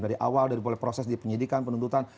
dari awal dari proses dipenyidikan penuntutan